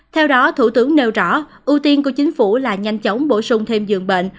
theo đó thủ tướng nêu rõ ưu tiên của chính phủ là nhanh chóng bổ sung thêm dường bệnh